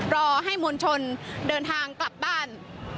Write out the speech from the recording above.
รอให้มวลชนเดินทางกลับบ้าน